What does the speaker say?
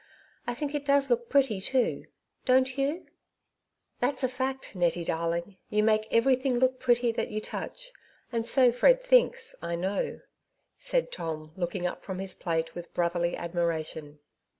I think it does look pretty, too; don't you ?'''' That's a fact, Nettie darling ; you make every thing look pretty that you touch, and so Fred thinks, I know," said Tom, looking up from his plate with brotherly admiration.